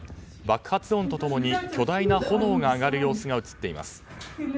爆発音と共に巨大な炎が上がる様子が映っています。